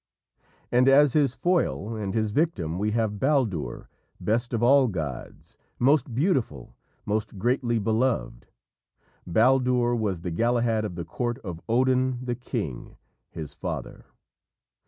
And as his foil, and his victim, we have Baldur, best of all gods, most beautiful, most greatly beloved. Baldur was the Galahad of the court of Odin the king, his father.